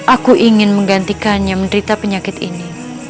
aku ingin menggantikannya menderita penyakit ini